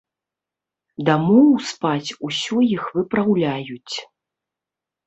Дамоў спаць усё іх выпраўляюць.